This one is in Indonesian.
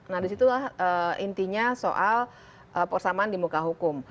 nah disitulah intinya soal persamaan di muka hukum